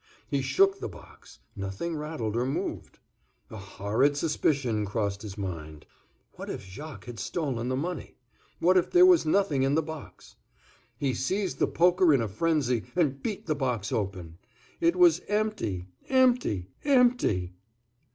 He shook the box; nothing rattled or moved. A horrid suspicion crossed his mind. What if Jacques had stolen the money! What if there was nothing in the box! He seized the poker in a frenzy and beat the box open. It was empty—empty—empty!